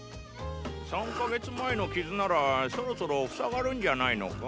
３か月前の傷ならそろそろふさがるンじゃないのか。